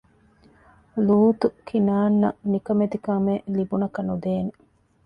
ލޫޠު ކިނާންއަށް ނިކަމެތި ކަމެއް ލިބުނަކަ ނުދޭނެ